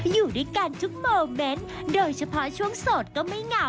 อยู่ด้วยกันทุกโมเมนต์โดยเฉพาะช่วงโสดก็ไม่เหงา